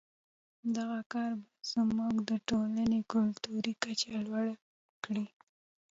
دغه کار به زموږ د ټولنې کلتوري کچه لوړه کړي.